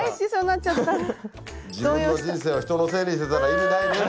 自分の人生を人のせいにしてたら意味ないね